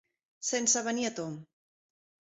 Sense venir a tomb.